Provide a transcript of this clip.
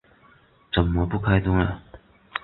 怎么不开灯啊